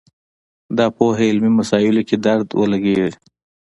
دا پوهه علمي مسایلو کې درد ولګېږي